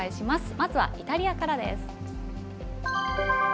まずはイタリアからです。